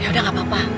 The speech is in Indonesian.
ya udah gak apa apa